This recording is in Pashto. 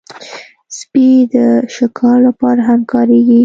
سپي د شکار لپاره هم کارېږي.